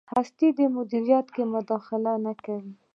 هستۍ مدیریت کې مداخله نه کوي.